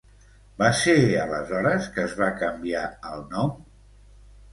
Va ser aleshores que es va canviar el nom?